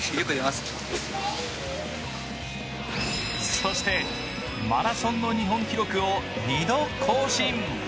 そして、マラソンの日本記録を２度更新。